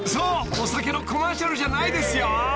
お酒のコマーシャルじゃないですよ］